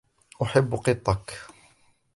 أحب قطك.